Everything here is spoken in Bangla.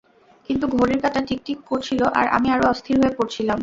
কিন্তু ঘড়ির কাঁটা টিক টিক করছিল আর আমি আরো অস্থির হয়ে পড়ছিলাম।